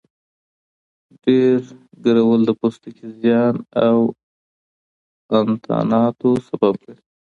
ډېر ګرول د پوستکي زیان او انتاناتو سبب ګرځي.